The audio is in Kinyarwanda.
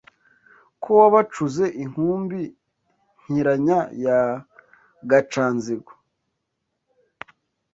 Ko wabacuze inkumbi nkiranya ya Gaca-nzigo